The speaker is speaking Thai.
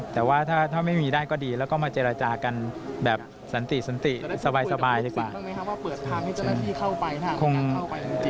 ทางที่เจ้าหน้าที่เข้าไปทางที่การเข้าไปอยู่จริงค่ะ